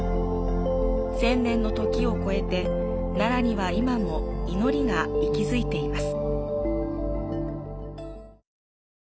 千年の時を超えて、奈良には今も祈りが息づいています。